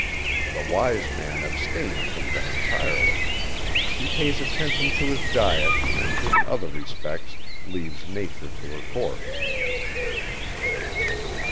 The wise man abstains from them entirely; he pays attention to his diet, and in other respects leaves nature to her course.